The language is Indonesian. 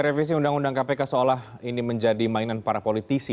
revisi undang undang kpk seolah ini menjadi mainan para politisi